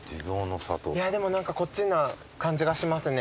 でも何かこっちな感じがしますね。